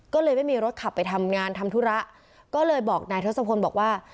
ก็เลยไม่มีรถขับไปทำงานทำธุระก็เลยบอกนายทศพลบอกว่า